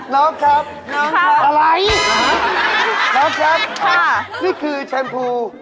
น้องครับ